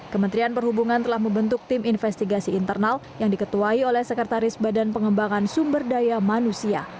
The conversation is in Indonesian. kementerian perhubungan telah membentuk tim investigasi internal yang diketuai oleh sekretaris badan pengembangan sumber daya manusia